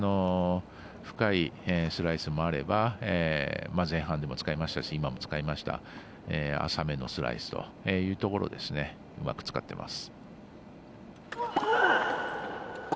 深いスライスもあれば前半でも使いましたし今も使いました浅めのスライスというところをうまく使ってます。